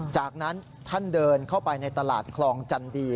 จากนั้นท่านเดินเข้าไปในตลาดคลองจันดี